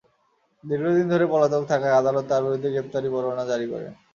দীর্ঘদিন ধরে তিনি পলাতক থাকায় আদালত তাঁর বিরুদ্ধে গ্রেপ্তারি পরোয়ানা জারি করেন।